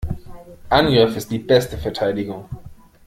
Angriff ist die beste Verteidigung.